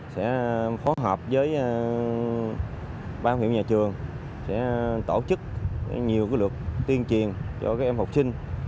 sẽ phối hợp với ban hữu nhà trường sẽ tổ chức nhiều cái luật tuyên truyền cho các em học sinh